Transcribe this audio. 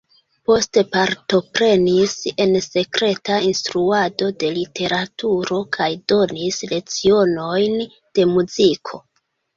Poste partoprenis en sekreta instruado de literaturo kaj donis lecionojn de muziko.